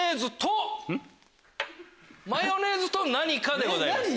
マヨネーズと何かでございます。